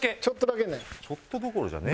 ちょっとどころじゃねえ。